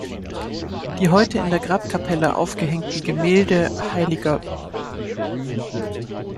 Die heute in der Grabkapelle aufgehängten Gemälde „Hl.